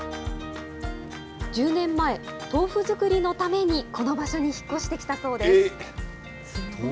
１０年前、豆腐作りのためにこの場所に引っ越してきたそうです。